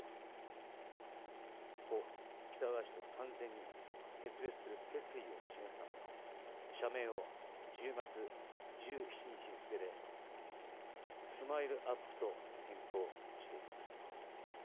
故・喜多川氏と完全に決別する決意を示すため、社名を１０月１７日付で、スマイルアップと変更していきます。